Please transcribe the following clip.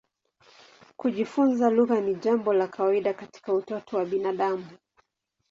Kujifunza lugha ni jambo la kawaida katika utoto wa binadamu.